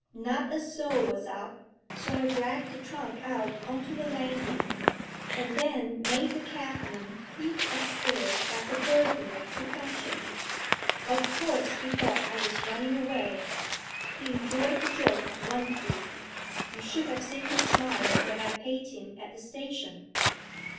Not a soul was up, so I dragged the trunk out on to the landing, and then made the cabman creep upstairs like a burglar to fetch it. Of course he thought I was running away; he enjoyed the joke wonderfully; you should have seen his smile when I paid him at the station.